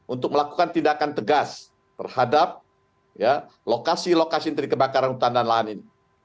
untuk melakukan tindakan tegas terhadap lokasi lokasi dari kebakaran hutan dan lahan ini